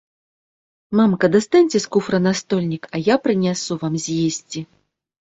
Мамка, дастаньце з куфра настольнік, а я прынясу вам з'есці.